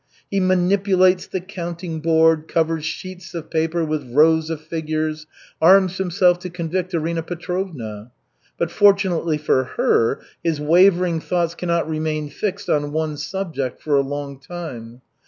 He manipulates the counting board, covers sheets of paper with rows of figures, arms himself to convict Arina Petrovna. But fortunately for her his wavering thoughts cannot remain fixed on one subject for a long time.